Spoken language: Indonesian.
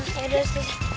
ya yaudah ustaz